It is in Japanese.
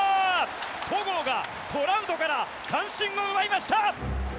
戸郷がトラウトから三振を奪いました！